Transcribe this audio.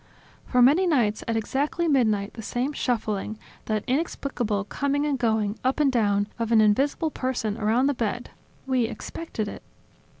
For many nights, at exactly midnight, the same shuffling, that inexplicable coming and going, up and down, of an invisible person, around the bed. We expected it."